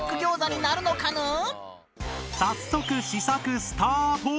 早速試作スタート！